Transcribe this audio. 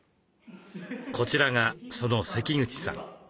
こちらがその関口さん。